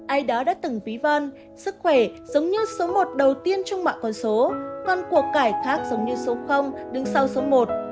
ai đó đã từng bí văn sức khỏe giống như số một đầu tiên trong mọi con số còn của cải khác giống như số đứng sau số một